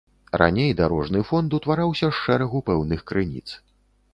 Раней дарожны фонд утвараўся з шэрагу пэўных крыніц.